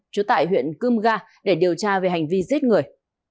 chú tại huyện cươm ga để điều tra về hành vi giết người